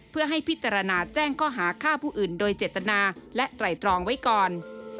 เพื่อให้พิจารณาแจ้งข้อหาฆ่าผู้อื่นโดยเจตนาและไตรตรองไว้ก่อน